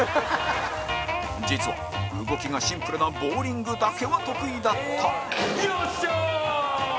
実は、動きがシンプルなボウリングだけは得意だったよっしゃー！